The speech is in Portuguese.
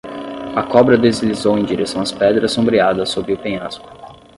A cobra deslizou em direção às pedras sombreadas sob o penhasco.